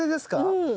うん。